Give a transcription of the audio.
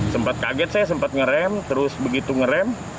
sempat kaget saya sempat ngeram terus begitu ngeram